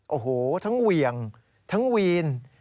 โอ้โหทั้งเหวี่ยงทั้งวีน